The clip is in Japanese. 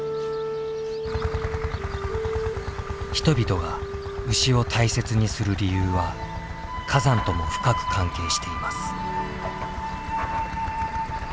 人々が牛を大切にする理由は火山とも深く関係しています。